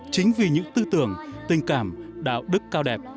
chính vì những tư tưởng tình cảm đạo đức cao đẹp